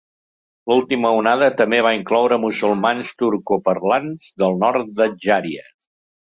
L'última onada també va incloure musulmans turcoparlants del nord d'Adjària.